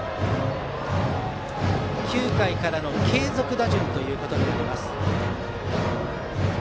９回からの継続打順となります。